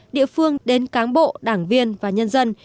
địa phương đến cán bộ đảng viên và nhân dân